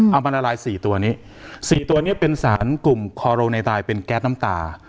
เอามาละลาย๔ตัวนี้๔ตัวนี้เป็นสารกลุ่มคอโรในตายเป็นแก๊สน้ำตา